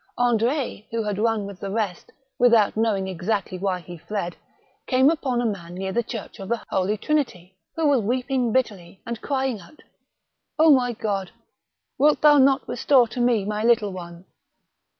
Andre, who had run with the rest, without knowing exactly why he fled, came upon a man near the church of the Holy Trinity, who was weeping bitterly, and crying out, —" my God, wilt Thou not restore to me my little one